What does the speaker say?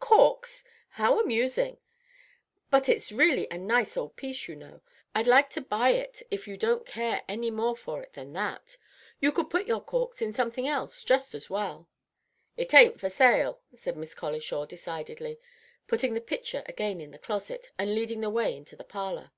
"Corks! How amusing! But it's really a nice old piece, you know. I'd like to buy it if you don't care any more for it than that. You could put your corks in something else just as well." "It ain't for sale," said Miss Colishaw, decidedly, putting the pitcher again into the closet, and leading the way into the parlor.